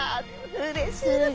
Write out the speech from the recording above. うれしいですね。